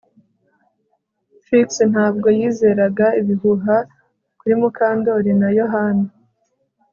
Trix ntabwo yizeraga ibihuha kuri Mukandoli na Yohana